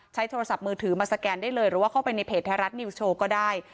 ใช้โทรศัพท์มือถือมาสแกนได้เลยหรือว่าเข้าไปในเพจไทยรัฐนิวส์โชว์ก็ได้